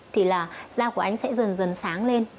thì là da của anh sẽ dần dần sáng lên